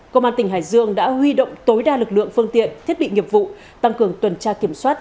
công an tỉnh hải dương đã huy động tối đa lực lượng phương tiện thiết bị nghiệp vụ tăng cường tuần tra kiểm soát